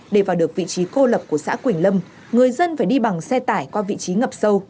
để vào được vị trí cô lập của xã quỳnh lâm người dân phải đi bằng xe tải qua vị trí ngập sâu